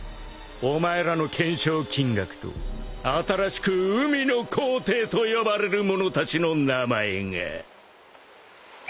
お前らの懸賞金額と新しく海の皇帝と呼ばれる者たちの名前が。